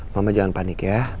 mama jangan panik ya